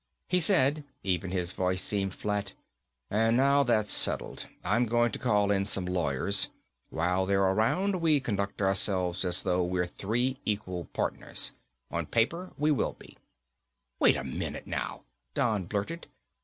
He said, even his voice seemed fat, "And now that's settled, I'm going to call in some lawyers. While they're around, we conduct ourselves as though we're three equal partners. On paper, we will be." "Wait a minute, now," Don blurted.